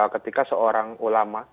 ketika seorang ulama